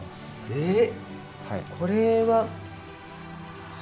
えっ！